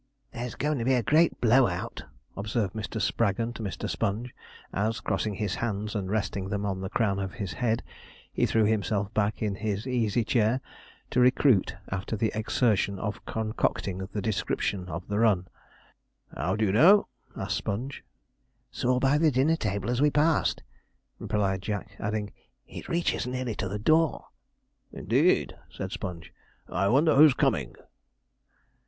'There's goin' to be a great blow out,' observed Mr. Spraggon to Mr. Sponge, as, crossing his hands and resting them on the crown of his head, he threw himself back in his easy chair, to recruit after the exertion of concocting the description of the run. 'How d'ye know?' asked Sponge. 'Saw by the dinner table as we passed,' replied Jack, adding, 'it reaches nearly to the door.' 'Indeed,' said Sponge, 'I wonder who's coming?'